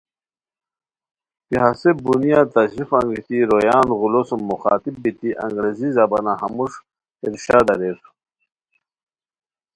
کی ہسے بونیہ تشریف انگیتی رویان غولو سوم مخاطب بیتی انگریزی زبانہ ہموݰ ارشاد اریر